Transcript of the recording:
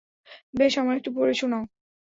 বেশ, আমার একটু পড়ে শোনাবে?